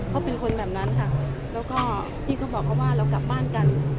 เขาเป็นคนแบบนั้นค่ะแล้วก็พี่ก็บอกเขาว่าเรากลับบ้านกัน